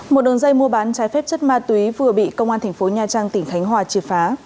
một đường dây mua bán trái phép chất ma túy vừa bị công an tp nha trang tỉnh khánh hòa chia phá